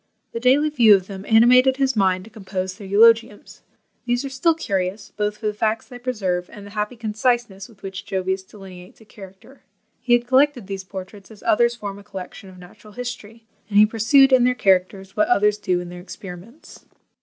The daily view of them animated his mind to compose their eulogiums. These are still curious, both for the facts they preserve, and the happy conciseness with which Jovius delineates a character. He had collected these portraits as others form a collection of natural history; and he pursued in their characters what others do in their experiments.